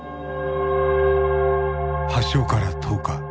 発症から１０日。